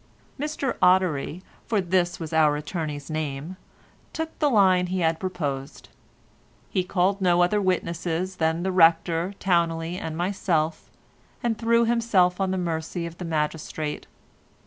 Mr Ottery, for this was our attorney's name, took the line he had proposed. He called no other witnesses than the rector, Towneley and myself, and threw himself on the mercy of the magistrate.